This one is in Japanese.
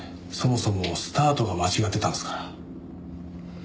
そもそもスタートが間違ってたんですから。